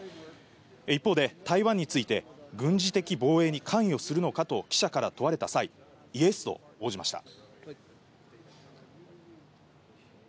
一方で、台湾について、軍事的防衛に関与するのかと記者から問われた際、イエスと応じました。